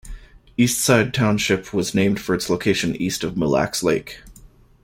East Side Township was named for its location east of Mille Lacs Lake.